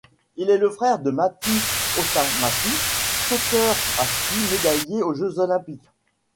Il est le frère de Matti Hautamäki, sauteur à ski médaillé aux Jeux olympiques.